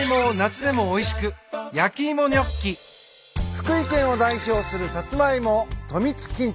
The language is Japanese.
福井県を代表するサツマイモとみつ金時。